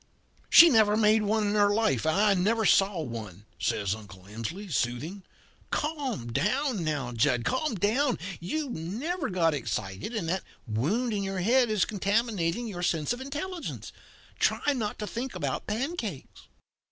"'She never made one in her life and I never saw one,' says Uncle Emsley, soothing. 'Calm down now, Jud calm down. You've got excited, and that wound in your head is contaminating your sense of intelligence. Try not to think about pancakes.'